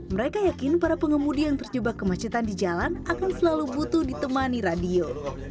mereka yakin para pengemudi yang terjebak kemacetan di jalan akan selalu butuh ditemani radio